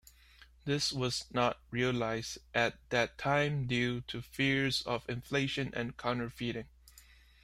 This was not realized at that time, due to fears of inflation and counterfeiting.